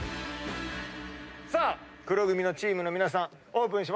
さあ黒組のチームの皆さんオープンしますよ。